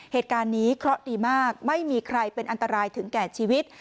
เหตุการณ์นี้เคราะห์ดีมากไม่มีใครเป็นอันตรายถึงแก่ชีวิต